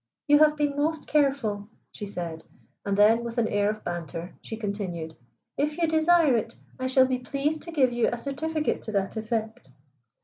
"You have been most careful," she said. And then, with an air of banter, she continued: "If you desire it, I shall be pleased to give you a certificate to that effect."